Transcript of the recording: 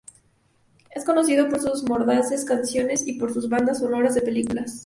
Es conocido por sus mordaces canciones y por sus bandas sonoras de películas.